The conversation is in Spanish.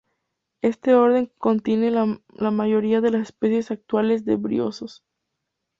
Este orden contiene la mayoría de las especies actuales de briozoos.